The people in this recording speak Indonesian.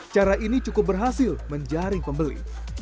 cara ini cukup berhasil menjaring pembeli